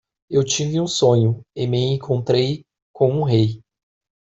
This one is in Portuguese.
Eu tive um sonho? e me encontrei com um rei.